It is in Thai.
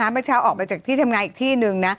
เมื่อเช้าออกมาจากที่ทำงานอีกที่นึงนะ